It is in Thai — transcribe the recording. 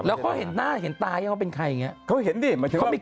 แล้วเขาเห็นหน้าเห็นตาอย่างว่าเป็นใครอย่างเงี้ย